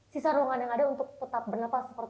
sisa ruangan yang ada untuk tetap bernafas